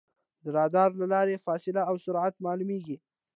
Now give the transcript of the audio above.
د رادار له لارې فاصله او سرعت معلومېږي.